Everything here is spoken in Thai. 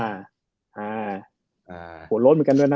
อ่าหลุดเหมือนกันด้วยนะ